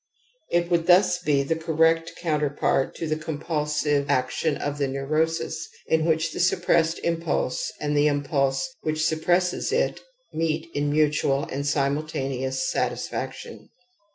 It would thus be the corre ct counterpart to the compulsive action oTthe neiirosis, in whidi the suppressed impulse and the impulse which sug; presses it meet in mutual and simijAtaneous \^[ satisfac tion.